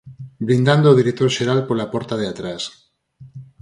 Blindando o director xeral pola porta de atrás.